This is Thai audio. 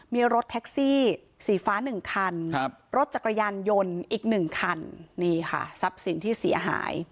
มีรถแท็กซี่สีฟ้าหนึ่งคันรถจักรยานยนต์อีก๑คันนี่ค่ะทรัพย์สินที่เสียหาย